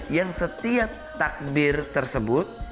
yang setiap takbir tersebut